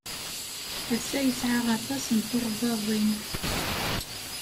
Ass-a yesɛa aṭas n tuɣdaḍin.